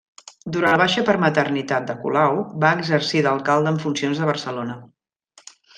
Durant la baixa per maternitat de Colau va exercir d'Alcalde en funcions de Barcelona.